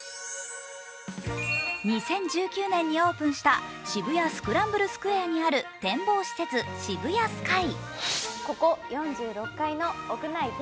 ２０１９年にオープンした渋谷スクランブルスクエアにある展望施設、ＳＨＩＢＵＹＡＳＫＹ。